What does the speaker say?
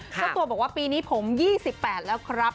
เจ้าตัวบอกว่าปีนี้ผม๒๘แล้วครับ